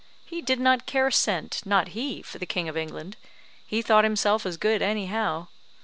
He did not care a cent, not he, for the King of England. He thought himself as good, any how.